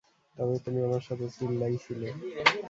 তবে তুমি আমার সাথে চিল্লাই ছিলে!